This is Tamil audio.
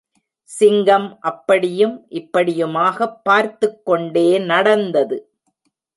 சிங்கம் அப்படியும் இப்படியுமாகப் பார்த்துக் கொண்டே நடந்தது.